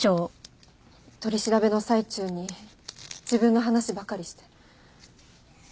取り調べの最中に自分の話ばかりして。